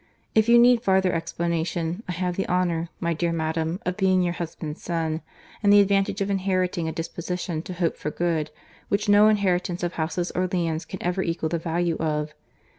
If you need farther explanation, I have the honour, my dear madam, of being your husband's son, and the advantage of inheriting a disposition to hope for good, which no inheritance of houses or lands can ever equal the value of.